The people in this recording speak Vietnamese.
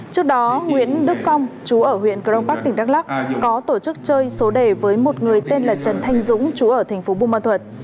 trước đó nguyễn đức phong trú ở huyện crong park tỉnh đắk lắk có tổ chức chơi số đề với một người tên là trần thanh dũng trú ở tp buôn ma thuật